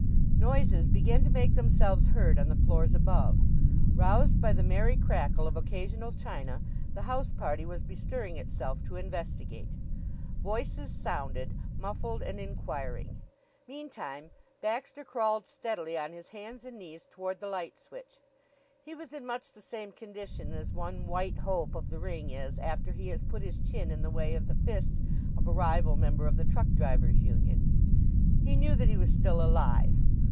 Noises began to make themselves heard on the floors above. Roused by the merry crackle of occasional china, the house party was bestirring itself to investigate. Voices sounded, muffled and inquiring. Meantime Baxter crawled steadily on his hands and knees toward the light switch. He was in much the same condition as one White Hope of the ring is after he has put his chin in the way of the fist of a rival member of the Truck Drivers' Union. He knew that he was still alive.